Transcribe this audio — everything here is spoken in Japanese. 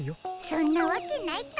そんなわけないか。